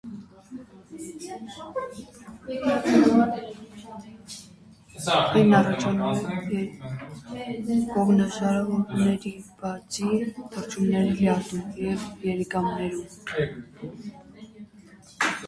Առաջանում է ողնաշարավորների (բացի թռչունների) լյարդում և երիկամներում։